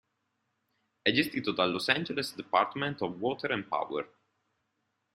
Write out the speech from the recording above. È gestito dal "Los Angeles Department of Water and Power".